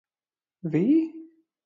Vi?